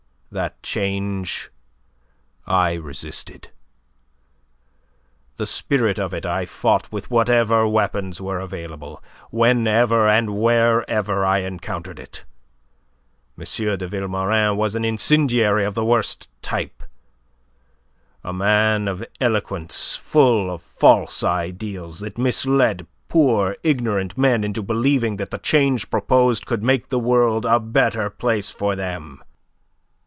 That change I resisted. The spirit of it I fought with whatever weapons were available, whenever and wherever I encountered it. M. de Vilmorin was an incendiary of the worst type, a man of eloquence full of false ideals that misled poor ignorant men into believing that the change proposed could make the world a better place for them.